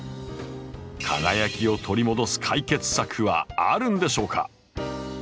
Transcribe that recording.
輝きを取り戻す解決策はあるんでしょうか？